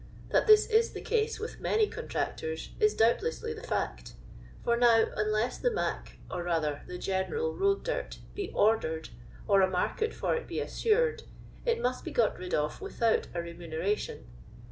That this is the case with many contractors i«, doubtleuly, the fsct ; for now, nnless the " mac," or, rather, the general load dizt, be eidered, or a market for it be assured, it mnat be got rid of without a remuneration.